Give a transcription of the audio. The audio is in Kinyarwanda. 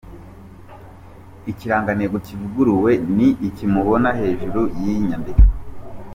Ikirangantego kivuguruwe ni iki mubona hejuru y’iyi nyandiko.